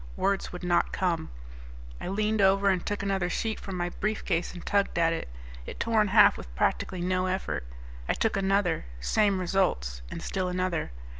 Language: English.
Words would not come. I leaned over and took another sheet from my briefcase and tugged at it. It tore in half with practically no effort. I took another, same results, and still another.